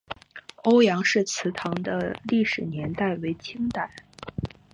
欧阳氏祠堂的历史年代为清代。